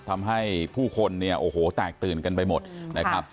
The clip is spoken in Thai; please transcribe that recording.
ทำให้ผู้คนเนี่ยโอ้โหแตกตื่นกันไปหมดนะครับ